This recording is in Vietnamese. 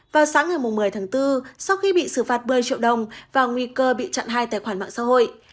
vào sáng ngày một mươi tháng bốn sau khi bị xử phạt một mươi triệu đồng và nguy cơ bị chặn hai tài khoản mạng xã hội